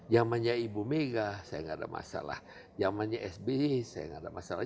zamannya ibu mega saya gak ada masalah zamannya sbi saya gak ada masalah